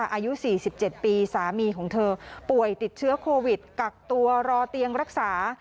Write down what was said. อายุ๔๗ปีสามีของเธอป่วยติดเชื้อโควิดกักตัวรอเตียงรักษา